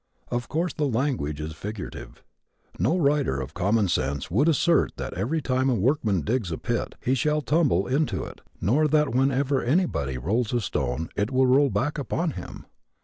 Of course the language is figurative. No writer of common sense would assert that every time a workman digs a pit he shall tumble into it nor that whenever anybody rolls a stone it will roll back upon him!